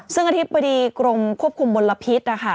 ซึ่งอาทิตย์ประดีกรมควบคุมบลพิษค่ะ